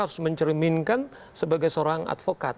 harus mencerminkan sebagai seorang advokat